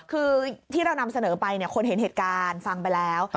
คือที่เรานำเสนอไปคนเห็นเหตุการณ์ฟังไปแล้ว